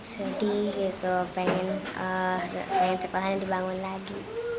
sedih pengen sekolah dibangun lagi